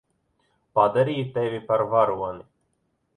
Padarīju tevi par varoni.